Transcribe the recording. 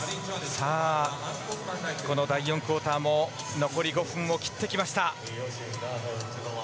この第４クオーターも残り５分を切ってきました。